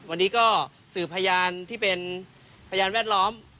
วันนี้ก็สื่อพยานที่เป็นพยานแวดล้อม